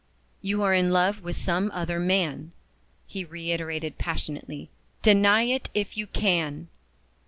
"You are in love with some other man," he reiterated passionately. "Deny it if you can!"